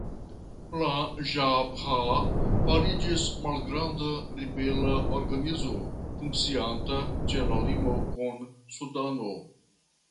La Ĵabĥa fariĝis malgranda ribela organizo funkcianta ĉe la limo kun Sudano.